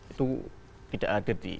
itu tidak ada di mahasiswa di kampus